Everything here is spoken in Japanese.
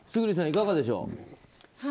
村主さん、いかがでしょう？